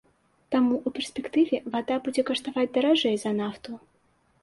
Таму ў перспектыве вада будзе каштаваць даражэй за нафту.